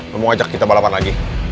lo mau ajak kita balapan lagi